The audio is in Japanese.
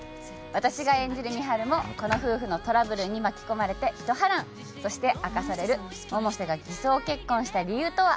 私が演じる美晴もこの夫婦のトラブルに巻き込まれて一波乱そして明かされる百瀬が偽装結婚した理由とは？